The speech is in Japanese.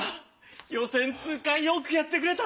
予選通過よくやってくれた！